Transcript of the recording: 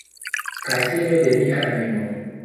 Kastelo de mia animo.